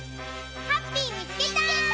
ハッピーみつけた！